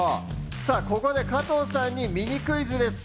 ここで加藤さんにミニクイズです。